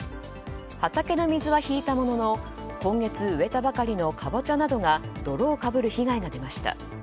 畑の水は引いたものの今月植えたばかりのカボチャなどが泥をかぶる被害が出ました。